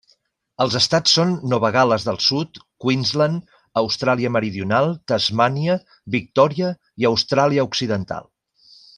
Els estats són Nova Gal·les del Sud, Queensland, Austràlia meridional, Tasmània, Victòria i Austràlia occidental.